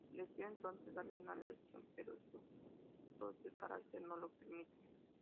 Decide entonces darles una lección, pero su dócil carácter no lo permite.